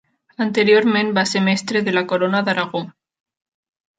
Anteriorment va ser mestre de la Corona d'Aragó.